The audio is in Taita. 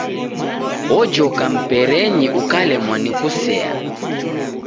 Ojoka mperenyi, ukalemwa ni kusea.